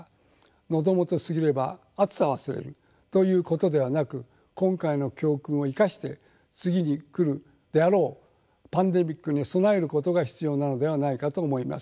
「喉元過ぎれば熱さ忘れる」ということではなく今回の教訓を生かして次に来るであろうパンデミックに備えることが必要なのではないかと思います。